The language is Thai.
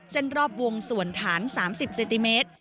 เส้นรอบวงส่วนฐาน๓๐เซนติเมตร